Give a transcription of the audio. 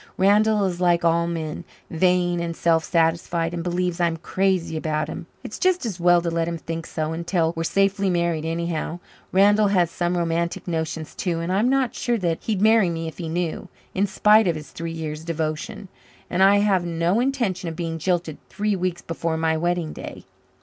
Randall is like all men vain and self satisfied and believes I'm crazy about him. It's just as well to let him think so, until we're safely married anyhow. Randall has some romantic notions too, and I'm not sure that he'd marry me if he knew, in spite of his three years' devotion. And I have no intention of being jilted three weeks before my wedding day."